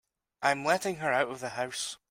I'm letting her out of the house.